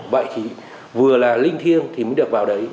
vậy thì vừa là linh thiêng thì mới được vào đấy